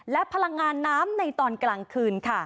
และพลังงานน้ำในตอนกลางคืนค่ะ